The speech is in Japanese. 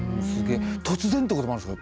突然ってこともあるんですか？